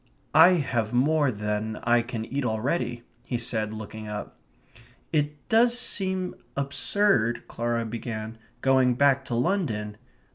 "I have more than I can eat already," he said, looking up. "It does seem absurd ..." Clara began, "going back to London...."